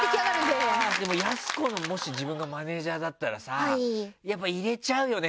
やす子のもし自分がマネジャーだったらやっぱ入れちゃうよね